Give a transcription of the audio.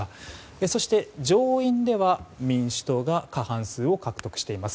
そして、上院では民主党が過半数を獲得しています。